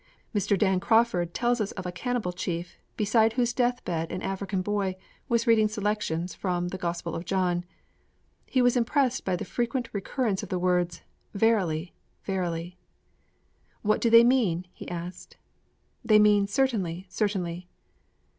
Mr. Dan Crawford tells of a cannibal chief beside whose deathbed an African boy was reading selections from the Gospel of John. He was impressed by the frequent recurrence of the words 'verily, verily.' 'What do they mean?' he asked. 'They mean "_certainly, certainly!